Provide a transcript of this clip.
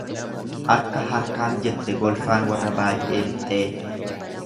Arka harkaan jette golfaan warra baay'ee lixxee.